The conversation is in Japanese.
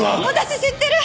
私知ってる！